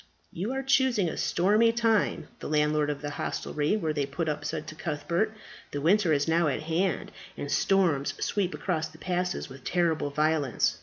"You are choosing a stormy time," the landlord of the hostelry where they put up said to Cuthbert. "The winter is now at hand, and storms sweep across the passes with terrible violence.